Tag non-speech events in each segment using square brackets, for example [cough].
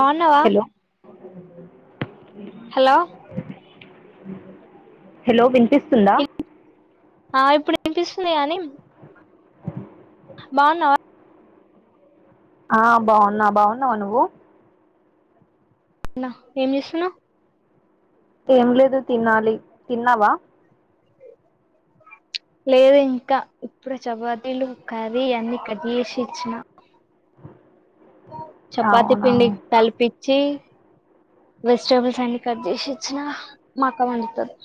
బాగున్నావా hello hello hello వినిపిస్తుందా ఆ ఇప్పుడు వినిపిస్తుంది గానీ బాగున్నావా ఆ బాగున్నా బాగున్నావా నువ్వు అన్నా ఏం చేస్తున్నావు న్నావా లేదు ఇంకా ఇప్పుడు చపాతీలు కర్రీ అన్ని కట్ చేసి ఇచ్చిన చపాతి అవునా పిండి కలిపి చి వెజిటబుల్స్ అన్ని కట్ చేసిచ్చినా మా అక్క వండుతాది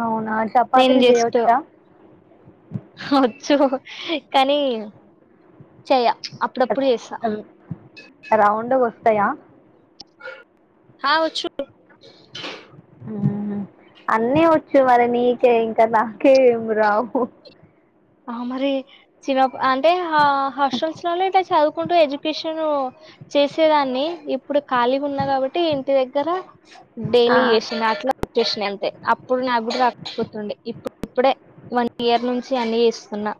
అవును నేను జస్ట్ వచ్చు కానీ చేయ అవి రౌండ్ వస్ త్తయ హా వచ్చు అన్నీ వచ్చు మరి నీకే ఇంకా రావు నీకే ఏం రావు ఆ మరి చిన్న పని అంటే ఆ హాస్టల్స్ లోనే ఇట్లా చదువుకుంటా కుంటూ ఎడ్యుకేషన్ చేసేదాన్ని ఇప్పుడు ఖాళీగా ఉన్నా కాబట్టి ఇంటి దగ్గర ఆ డైలీ చేసింది అట్లా చేసిన అంతే అప్పుడు నాకు కూడా రాకపాయ పోతుంది. ఇప్పుడు ఇప్పుడే వన్ ఇయర్ నుంచి అన్ని చేస్త్ చేస్తున్న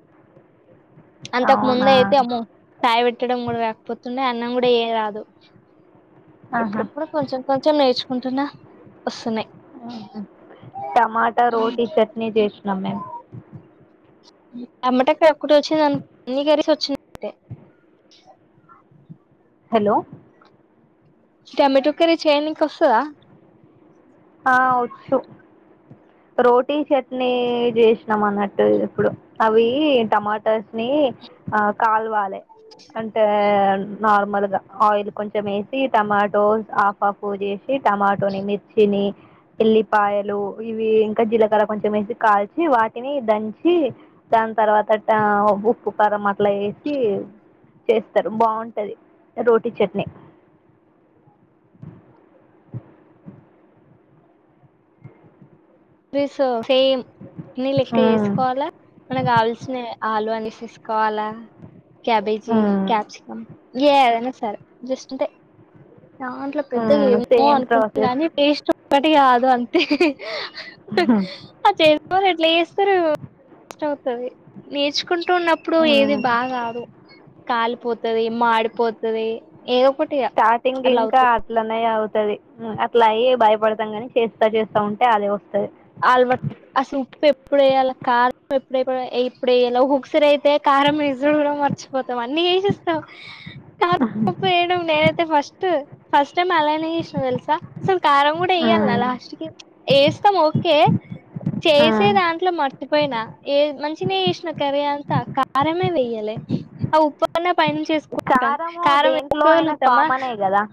అంతకు ముందు అవునా అయితే అమ్మో చాయి పె పేట్టడం కూడా రాకపోతుండే, అన్నం కూడా వెయ్య రాదు ఆహా ఎప్పుడెప్పుడు కొంచెం కొంచెం నేర్చుకుంటున్నా వస్తున్నాయి టమాటా, రోటీ, చట్నీ చేసినాం. మేమ్ అమ్మట అక్కడ వచ్చింది. అంటే అన్ని కలసి వచ్చింది. హలో టమటో కర్రీ చైనికా వస్తదా ఆ వచ్చు రోటీ, చట్నీ చేసినాం. అన్నట్టు ఇప్పుడు అవి టమాటర్స్ ని ఆ కాల్వాలి. అంటే నార్మల్గా ఆయిల్ కొంచెం వేసి టమాటోస్ హాఫ్ హాఫ్ చేసి టమాటోని, మి ఎల్లిపాయలు ఇవి ఇంకా జీలకర్ర కొంచం వేసి కాల్చి వాటిని దంచి దాని తర్వాత ఉప్పు, కారం అట్లా వేసి చేస్తారు బాగుంటంది. రోటీ చట్నీ త్రి సో సేమ్ నీలెక్క ఉమ్ చేసుకోవాలా ఏమైనా కావాల్సిన ఆలు అనేసి కోలా, క్యాబేజీ, ఉమ్ క్యాప్సికం ఏ ఏదైనా సరే జస్ట్ టే దాంట్లో పెద్దగా ఉమ్ ఏమో సేమ్ అనుకుంటాం. ప్రాసెస్ కాని టేస్ట్ ఒకటి కాదు అంతే ఆ చేసుకొని ఎట్లా చేస్ చేస్తరు. [unintelligible] నేర్చు అనుకుంటున్నప్పుడు ఏది ఉమ్ బాగా రాదు. కాల్పోది ది. మాడిపోతుది ఏదో ఒకటిగా స్టార్టింగ్ అట్లా ఇంకా అవుతది. అట్లనే అవుతది అట్లా అయి భయపడతాం. కాని చేస్తా చేస్తా ఉంటే అదే వస్తది. అలవాట్ అసలు ఉప్పు ఎప్పుడు వేయ్యాలా కారం, ఎప్పుడ ఏప్పుడుయ్యాలో ఒకసారి అయితే కారం వెయ్యడం కూడా మర్చిపోత అన్నీ చేసేస్తాం. కారం, ఉప్పు వేయడం నేనైతే ఫస్ట్ ఫస్ట్ టైమ్ అలానే చేసిన తెల్సా కారం కూడా ఏయాల నా లాస్ట్ కి వేస్తాం. ఓ ఏ ఆ చేసే దాంట్లో మర్చిపోయినా ఏ మంచి మంచిగా చేసిన కర్రీ అంత కారమే వెయ్యలే ఆ ఉప్పన్న పని చేసుకుంటాం. కారము కారం దేంట్లో అయినా ఎసుకోగలుగుతామా కామనే కదా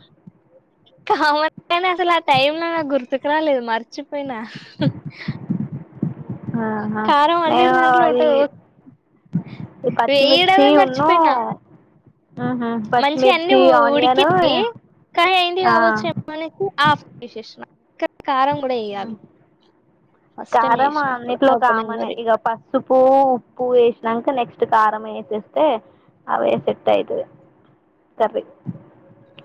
కామన్ గానే అసలు ఆ టైమ్ లో నా గుర్ గుర్తుకు రాలేదు. మరిచిపోయినా ఆహ కారం అన్నిటి నేను దాంట్లో అది ఉంటది ఈ పచ్చిమిర్చి ఉన్ను మంచి అన్ని పచ్చిమిర్చి ఉడికి ఆనియన్ కానీ అయింది ఆ కావచ్చు మ ఆఫ్ చేసేస కారం కూడా వయాలి కారం అన్నిట్లో కామనే ఇక పసుపు ఉప్పు వేసినాక నెక్స్ట్ కారంమసస్తే అవే సెట్ అయితుది సరీ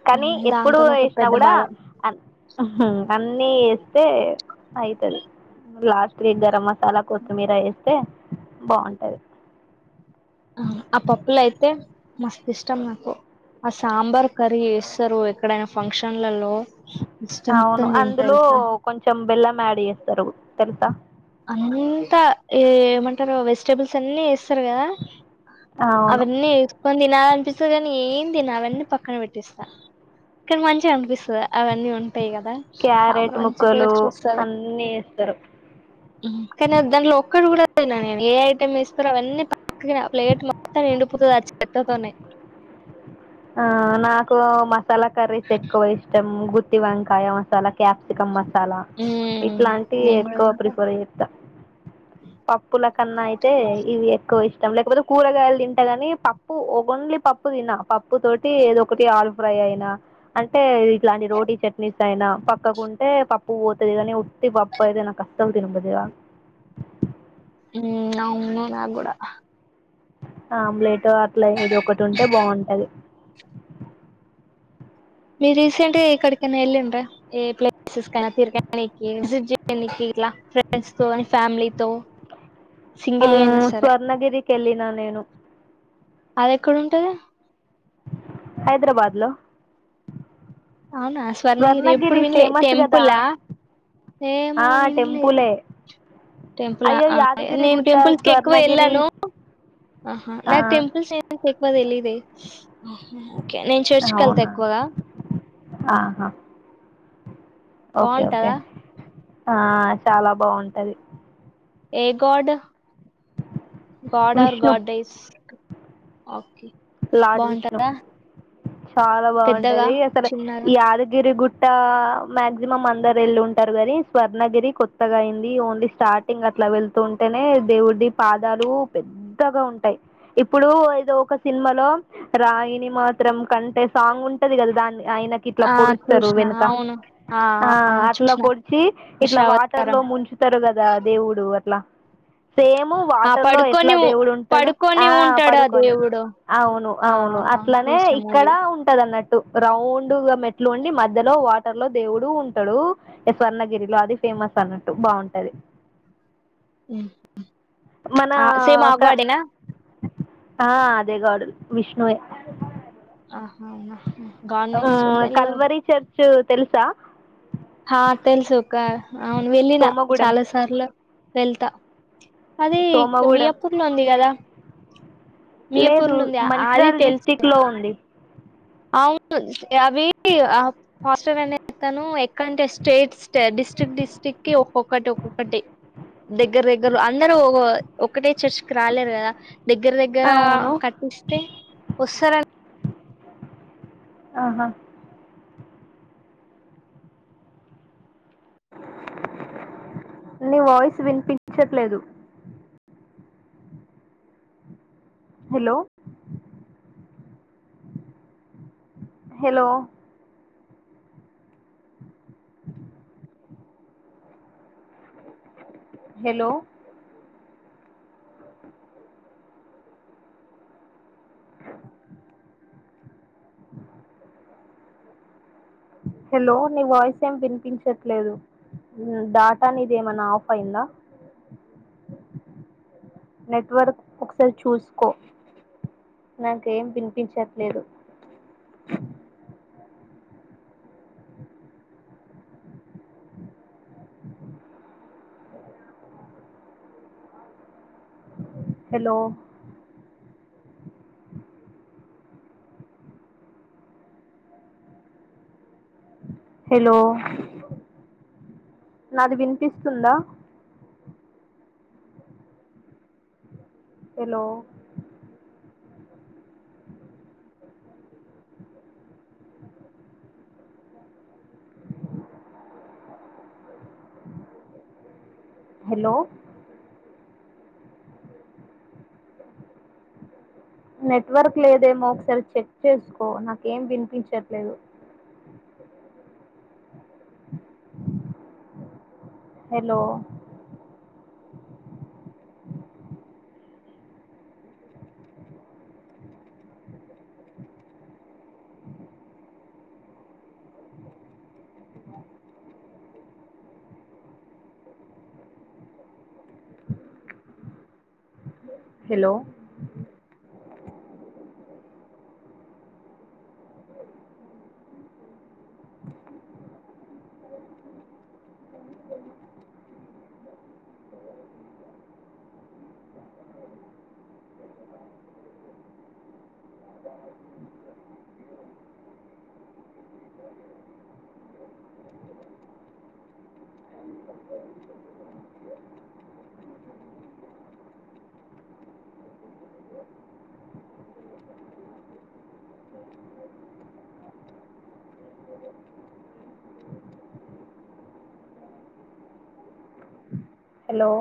కానీ ఎప్పుడు దాంతోనే ఒక వేసినా పెద్ద కూడా బాధ అన్నిీ వేస్తే అవుతుది లాస్ట్ రడ్ జర మ చాలా కొత్తిమీర ఇస్తే బాగుంటది ఆ ఆ పప్పుల అయితే మస్త ఇష్టం నాకు ఆ సాంబార్ కరీ ఎసరుయి ఎక్కడైనా ఫంక్షన్లలో ఇష్టంస్తుంది ఇంత తెలుస మ ఎస్తరు తెసా అంతా ఏ ఏమంటారు వెజిటేబుల్స్ అన్నిీ ారు కదా అవును అవన్నీ వేసుకొని తిన స్తగాని ఏం తిని అవన్నీ పక్కన పెట్టిస్తాను ఇక్కడ మంచిగా అనిపిస్త అవన్నీ ఉంటాయి కదా క్యారెట్ సాంబ్రం మంచి ముక్కలు టేస్ట్ వస్తుంది అన్నీ వేస్తారు కానీ దాంట్లో ఒక్కడు కూడా తిన నేను ఏ ఐటమ్ వేస్తారో అవన్నీ పక్కకి ప్లేట్ మొత్తాన్ని నిండిపోతుంది ఆ చెత్తతోనే ఆ నాకు మ తలా కర్రీస్ ఎక్కువ ఇష్టం గు టి వంకాయ మసాలా క్యాప్సకమ్ మసాలా చాలా ఇట్లాంటివి నేను కూడా ఎక్కువ తింటా ప్రిఫర్ అద్దా పప్పుల కన్నా అయితే ఇవి ఎక్కువ ఇష్ ఇష్టం లేకపోతే కూరగాయలు తింటా కాని పప్పు న్లీ పప్పు తిన పప్పు తోటి ఏదో ఒకటి ఆలు ఫ్రై అయినా అంటే ఇలాంటి రోటీ చట్నీస్ అయినా పక్కకుంటే ప పూ పోతుదిదనే ఉట్టి పప్ప ఏదన్న కష్టం తినపుదవా ఉ అమే నా కూడ ఆ బలేడ్ అట్లా ఏది ఒకటి ఉంటే బాగుంటది మీ రీసెంట్గా ఎక్కడికైనా వెళ్ళండ ఏ ప్లేసెస్ కైనా తిరడానికి విజిట్ చేయడానికి ఇలా ఫ్రెండ్స్ తో ఫ్యామిలీతో సింగిల్గా అయినా సరే కెళ్ళిన నేను అది ఎక్కడ ఉంటది హైదరాబాద్ లో అవునా స్వర్ణగిరి ఎప్పుడు వినలే ఫేమస్ కదా టెంపుల్ ఏమో ఆ వినలే టెంపులే టెంపుల్ అయ్యో యాదగిరి నేను గుట్ట టెంపుల్స్ క ఎక్కువ స్వర్ణగిరి వెళ్ళాను ఆహా ఆ నాకు టెంపుల్స్ న ఎక్కువ తెలీద ఓకే నేను చేర్చుక వెళ్తా అవునా ఎక్కువగా ఆహా ఓకే ఓకే బాగుంటదా ఆ చాలా బాగుంటది ఏగోడ్ గడ్ విష్ణు ఆర్డ్స్ లలాడ్ విష్ణు చాలా పెద్దగా బాగుంటది అసలు చిన్నగా యాదగిరి గుట్ట మాక్సిమం అందరు వెళ్ళి ఉంటారు కానీ స్వర్ణగిరి కొత్తగా అయింది ఓన్లీ స్టార్టింగ్ అట్లా వెళ్తూ ఉంటేనే దేవుడిది పాదాలు పెద్దగా ఉంటాయి ఇప్పుడు ఏదో ఒక సినిమాలో రాయిని మాత్రం కంటే సాంగ్ ఉంటది కదా దాన్ని ఆయనకి ఇట్లా ఆ పొడుస్తారు చూసిన వెనుక అవును ఆ అట్లా చూసిన పొడిచి ఇట్లా వాటర్ లో దశావతారం ముంచుతారు కదా దేవుడు అట్లా సేము ఆ వాటర్ లో పడుకొని ఎట్లా ఉ- దేవుడు ఉంటాడు ఆ పడుకొని ఉంటాడు ఆ పడుకొని దేవుడు అవును ఆ అవును అవునవును అట్లనే చూసిన ఇక్కడ మూవీ ఉంటది అన్నట్టు రౌండ్గా మెట్లు వండి మధ్యలో వాటర్ లో దేవుడు ఉంటాడు స్వర్ణగిరిలో అది ఫేమస్ అన్నట్టు బాగుంటది ఉ మన ఆ సే మా క అగవాడేనా ఆ అదే గడ విష్ణువే ఆహా గవర్మెంట్ ఉమ్, స్ూడత కల్వరి చర్చ్ తెలుసా ఆ తెలుసు ఒక అవును వెళ్ళిన సోమగూడెం చాలా సార్లు వెళ్తా అదే ఇ మీ సోమగూడెం అప్పర్లో ఉంది కదా లేదు మియాపూర్లు ఉంది అది మంచ్రాల్ తెలుసు డిస్టిరిక్ట్ లో ఉంది అవును అవి ఫస్ అస్తాను ఎక్కంటే స్టేట్స్ డిస్ట్రిక్ట్ డిస్ట్రిక్ట్ కి ఒక్కొక్కటి ఒక్కొక్కటి దగ్గర దగ్గర అందరు ఒకటే చర్చికి రాలేరు కదా దగ్గర దగ్గర అవును కట్టిస్తే వస్తారని ఆహా నీ వాయిస్ వినిపించట్లేదు హలో హలో హలో హలో నీ వాయిస్ ఏం పినిపించట్లేదు డాటా నీద ఏమనా ఆఫ్ అయిందా నెట్వర్క్ ఒకసారి చూసుకో నాక ఏం పినిపించట్లేదు హలో హలో నాది వినిపిస్తుందా హలో హలో నెట్వర్క్ లేదేమో ఒకసారి చెక్ చేసుకో నాకేం వినిపించట్లేదు హలో హలో హలో